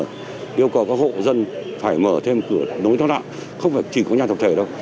yêu cầu các hộ dân phải mở thêm cửa nối thoát nạn không phải chỉ có nhà tổng thể đâu